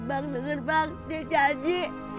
bang denger bang dia janji